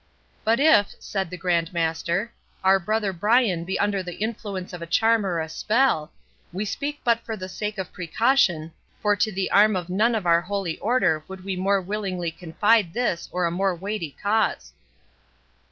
"But if," said the Grand Master, "our brother Brian be under the influence of a charm or a spell—we speak but for the sake of precaution, for to the arm of none of our holy Order would we more willingly confide this or a more weighty cause."